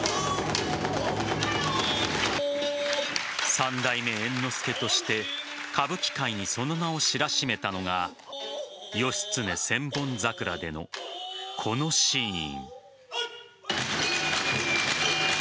三代目猿之助として、歌舞伎界にその名を知らしめたのが「義経千本桜」でのこのシーン。